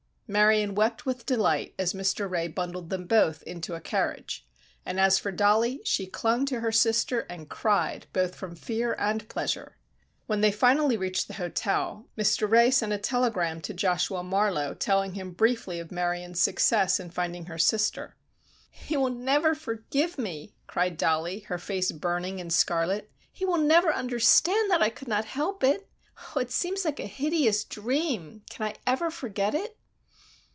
Marion wept with delight as Mr. Ray bundled them both into a carriage, and as for Dollie, she clung to her sister and cried both from fear and pleasure. When they reached the hotel, Mr. Ray sent a telegram to Joshua Marlowe telling him briefly of Marion's success in finding her sister. "He will never forgive me," cried Dollie, her face burning and scarlet. "He will never understand that I could not help it! Oh, it seems like a hideous dream! Can I ever forget it?"